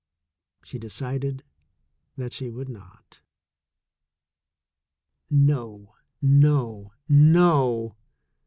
She decided that she would not. No, no, no!